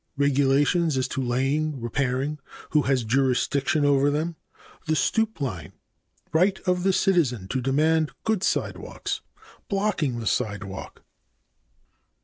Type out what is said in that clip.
a. Regulations as to laying, repairing. b. Who has jurisdiction over them. c. The stoop line. d. Right of the citizen to demand good sidewalks. e. Blocking the sidewalk.